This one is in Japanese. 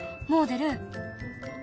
もおでる。